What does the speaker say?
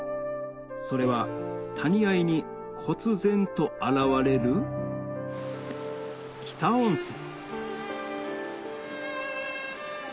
それは谷あいにこつ然と現れる北温泉どうぞ。